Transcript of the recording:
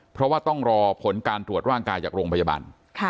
เพราะว่าต้องรอผลการตรวจร่างกายจากโรงพยาบาล